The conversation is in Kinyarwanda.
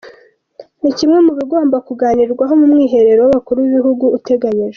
Ni kimwe mu bigomba kuganirwaho mu mwiherero w’abakuru b’ibihugu uteganyijwe.